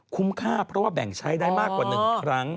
ค่าเพราะว่าแบ่งใช้ได้มากกว่า๑ครั้ง